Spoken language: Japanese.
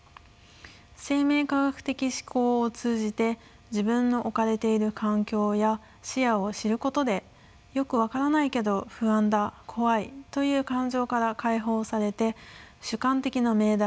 生命科学的思考を通じて自分の置かれている環境や視野を知ることでよく分からないけど不安だ怖いという感情から解放されて主観的な命題